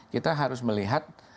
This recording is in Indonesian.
kita harus melihat